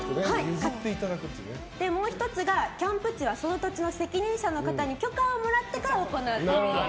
もう１つがキャンプ地はその土地の責任者の方に許可をもらってから行うという。